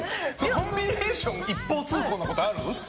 コンビネーション一方通行なことある？